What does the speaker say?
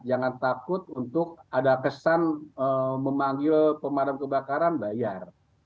jangan takut untuk ada kesan memanggil pemadam kebakaran bayar